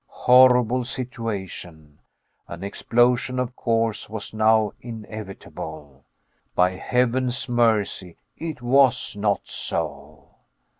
Horrible situation. An explosion of course was now inevitable. By heaven's mercy, it was not so.